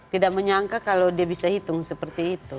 tidak menyangka kalau dia bisa hitung seperti itu